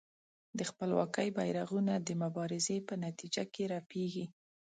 د خپلواکۍ بېرغونه د مبارزې په نتیجه کې رپېږي.